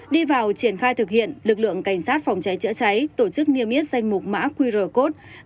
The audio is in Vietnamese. đi vào triển khai thực hiện lực lượng cảnh sát phòng cháy chữa cháy tổ chức nghiêm yết danh mục mã qr code